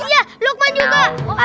iya lukman juga